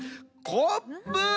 コップ！